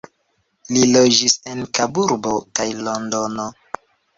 Li loĝis en Kaburbo kaj Londono.